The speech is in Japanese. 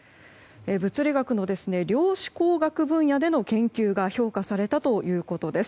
物理学の量子工学分野での研究が評価されたということです。